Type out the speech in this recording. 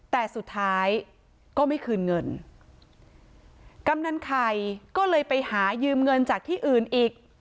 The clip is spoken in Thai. แต่สุดท้ายก็ไม่คืนเงินกำนันไข่ก็เลยไปหายืมเงินจากที่อื่นอีก